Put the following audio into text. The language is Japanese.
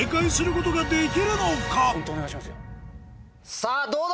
さぁどうだ？